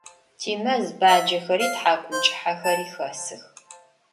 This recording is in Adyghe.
Timez bacexeri thak'umç'ıhexeri xesıx.